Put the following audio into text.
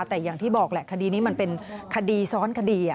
แต่อย่างที่บอกแหละคดีนี้มันเป็นคดีซ้อนคดี